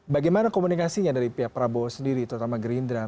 bagaimana komunikasinya dari pihak prabowo sendiri terutama gerindra